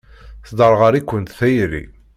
Tesderɣel-ikent tayri.